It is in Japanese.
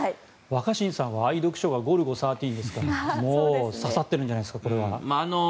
若新さんは愛読書が「ゴルゴ１３」ですからもう刺さってるんじゃないですかこれは。